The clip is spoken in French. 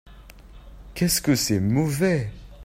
Qu'est-ce que c'est mauvais !